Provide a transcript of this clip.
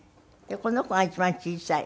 この子が一番小さい。